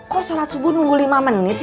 kok sholat subuh nunggu lima menit sih